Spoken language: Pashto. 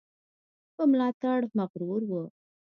په ملاتړ مغرور وو.